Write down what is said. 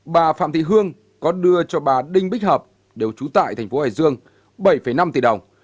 bà phạm thị hương có đưa cho bà đinh bích hợp đều trú tại thành phố hải dương bảy năm tỷ đồng